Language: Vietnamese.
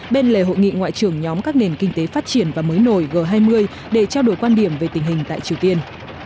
bên lề hội nghị ngoại trưởng nhóm các nền kinh tế phát triển và mới nổi g hai mươi để trao đổi quan điểm về tình hình tại triều tiên